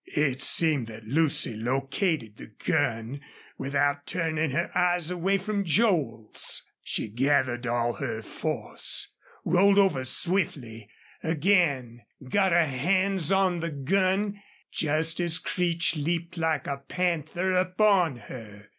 It seemed that Lucy located the gun without turning her eyes away from Joel's. She gathered all her force rolled over swiftly again got her hands on the gun just as Creech leaped like a panther upon her.